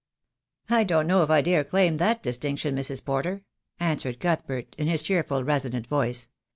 "I don't know if I dare claim that distinction, Mrs. Porter," answered Cuthbert, in his cheerful resonant voice.